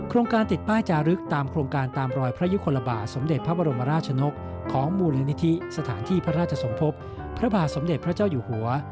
การติดป้ายจารึกตามโครงการตามรอยพระยุคลบาทสมเด็จพระบรมราชนกของมูลนิธิสถานที่พระราชสมภพพระบาทสมเด็จพระเจ้าอยู่หัว